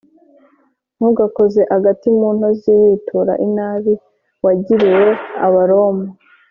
Ntugakoze agati mu ntozi witura inabi wagiriwe abaroma